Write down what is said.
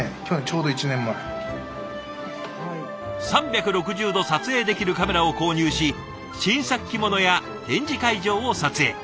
３６０度撮影できるカメラを購入し新作着物や展示会場を撮影。